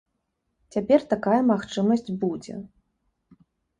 Цяпер такая магчымасць будзе.